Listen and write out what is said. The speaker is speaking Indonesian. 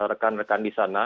rekan rekan di sana